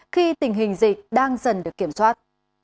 khi tình hình dịch đang dần được kiểm soát